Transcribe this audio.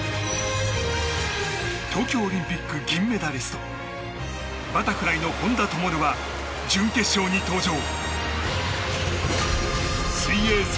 東京オリンピック銀メダリストバタフライの本多灯は準決勝に登場。